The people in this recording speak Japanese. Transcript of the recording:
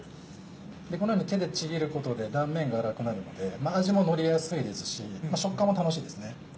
このように手でちぎることで断面が粗くなるので味ものりやすいですし食感も楽しいですね。